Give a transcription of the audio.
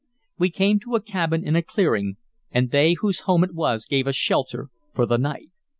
We came to a cabin in a clearing, and they whose home it was gave us shelter for the night.